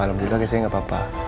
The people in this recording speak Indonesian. alhamdulillah keesanya gak apa apa